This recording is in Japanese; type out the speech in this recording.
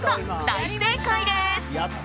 大正解です。